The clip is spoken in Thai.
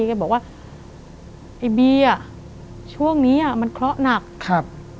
แกบอกว่าไอ้บีอ่ะช่วงนี้อ่ะมันเคราะห์หนักครับ